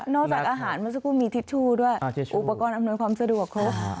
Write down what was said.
จากอาหารเมื่อสักครู่มีทิชชู่ด้วยอุปกรณ์อำนวยความสะดวกครบ